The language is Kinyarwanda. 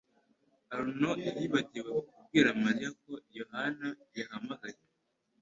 Arnaud yibagiwe kubwira Mariya ko Yohana yahamagaye.